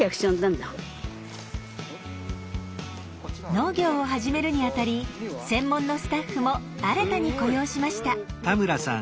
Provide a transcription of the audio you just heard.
農業を始めるにあたり専門のスタッフも新たに雇用しました。